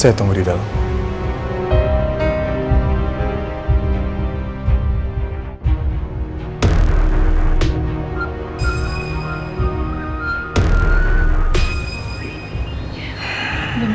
saya tunggu di dalam